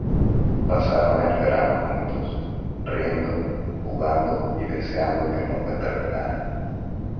Pasaron el verano juntos, riendo, jugando y deseando que nunca terminara.